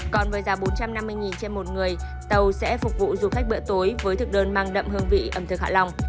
còn với giá bốn trăm năm mươi trên một người tàu sẽ phục vụ du khách bữa tối với thực đơn mang đậm hương vị ẩm thực hạ long